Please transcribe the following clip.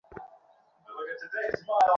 তিনি কলকাতা আদালত থেকে অবসর গ্রহণ করেন।